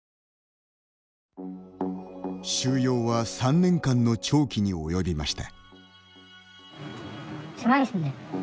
収容は３年間の長期に及びました。